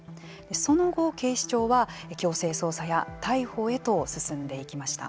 その後、警視庁は強制捜査や逮捕へと進んでいきました。